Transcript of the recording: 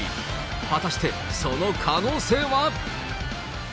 果たしてその可能性は？